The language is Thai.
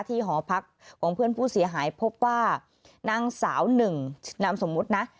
หอพักของเพื่อนผู้เสียหายพบว่านางสาวหนึ่งนามสมมุตินะ